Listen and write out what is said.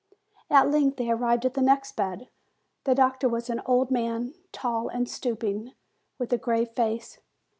At length they arrived at the next bed. The doctor was an old man, tall and stooping, with a grave face.